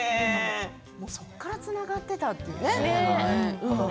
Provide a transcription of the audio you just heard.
そこからつながっていたんですね。